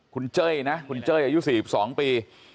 คุณเจ้ยนะคุณเจ้ยอายุ๔๒ปี